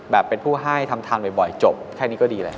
เป็นผู้ให้ทำทานบ่อยจบแค่นี้ก็ดีแล้ว